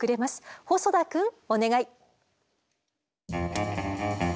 細田くんお願い。